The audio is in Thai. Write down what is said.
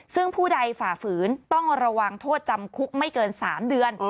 ซึ่งผู้ใดฝ่าฝืนต้องระวังโทษจำคุกไม่เกิน๓เดือน